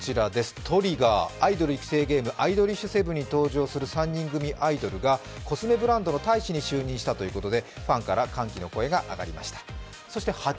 ＴＲＩＧＧＥＲ、アイドル育成ゲーム「アイドリッシュセブン」に登場するＴＲＩＧＧＥＲという３人組のアイドルがコスメブランドの大使に就任したということで、ファンから歓喜の声が上がりました。